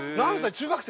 中学生？